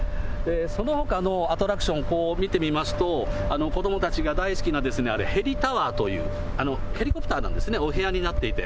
そのほかのアトラクション、見てみますと、子どもたちが大好きなあれ、ヘリタワーという、ヘリコプターなんですね、お部屋になっていて。